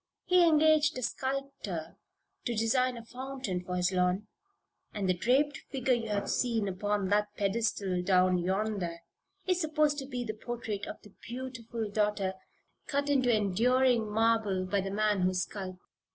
He engaged a sculptor to design a fountain for his lawn, and the draped figure you have seen upon that pedestal down yonder, is supposed to be the portrait of the beautiful daughter cut into enduring marble by the man who sculped.